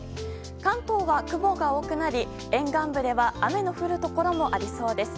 関東は雲が多くなり沿岸部では雨の降るところもありそうです。